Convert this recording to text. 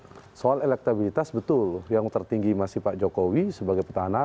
jadi soal elektabilitas betul yang tertinggi masih pak jokowi sebagai petanak